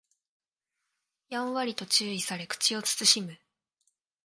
やんわりと注意され口を慎む